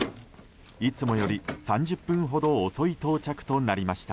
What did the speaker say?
いつもより３０分ほど遅い到着となりました。